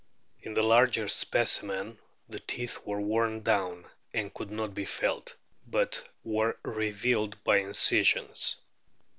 In the larger specimen the teeth were worn down, and could not be felt, but were revealed by incisions.